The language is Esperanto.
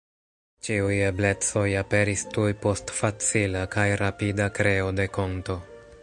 Ĉiuj eblecoj aperis tuj post facila kaj rapida kreo de konto.